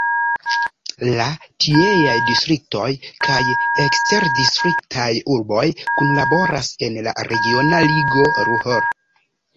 La tieaj distriktoj kaj eksterdistriktaj urboj kunlaboras en la regiona ligo Ruhr.